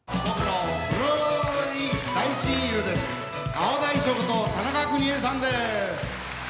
青大将こと田中邦衛さんです。